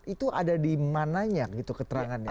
itu ada di mananya gitu keterangannya